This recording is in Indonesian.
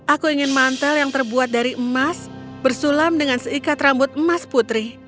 aku ingin mantel yang terbuat dari emas bersulam dengan seikat rambut emas putri